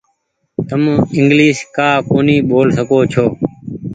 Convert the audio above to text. تم انگليش ڪآ ڪونيٚ ٻول سڪو ڇو۔